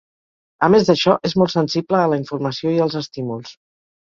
A més d'això, és molt sensible a la informació i als estímuls.